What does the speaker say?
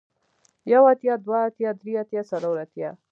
يو اتيا دوه اتيا درې اتيا څلور اتيا